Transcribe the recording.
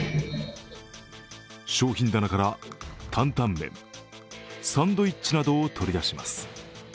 商品棚から坦々麺、サンドイッチなどを取り出します。